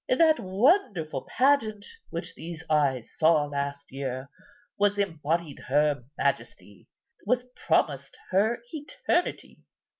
In that wonderful pageant which these eyes saw last year was embodied her majesty, was promised her eternity.